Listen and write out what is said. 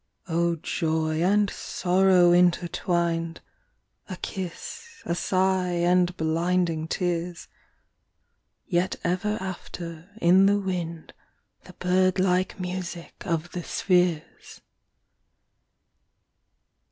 O Joy and Sorrow intertwined, A kiss, a sigh, and blinding tears, Yet ever after in the wind, The bird like music of the spheres